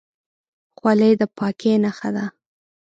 خولۍ د پاکۍ نښه ده.